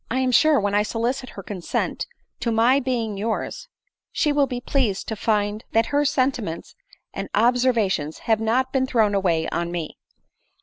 1 am sure, when I solicit her consent to my being yours, 5 46 ADELINE MOWBRAY. she will be pleased to find that her sentiments and ob servations have not been thrown away on me."